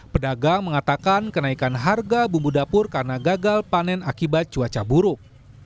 pedagang mengatakan kenaikan harga bumbu dapur karena gagal panen akibat cuaca buruk